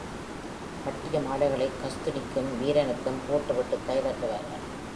கட்டிய மாலைகளைக் கஸ்துனரிக்கும் வீரனுக்கும் போட்டுவிட்டுக் கை தட்டுவார்கள்.